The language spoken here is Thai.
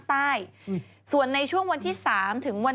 พี่ชอบแซงไหลทางอะเนาะ